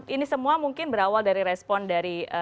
ini semua mungkin berawal dari respon dari